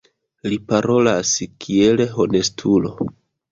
Li parolas kiel honestulo.